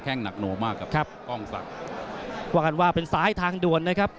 หนักหน่วงมากครับครับกล้องศักดิ์ว่ากันว่าเป็นซ้ายทางด่วนนะครับ